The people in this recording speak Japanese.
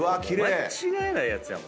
間違いないやつやもん。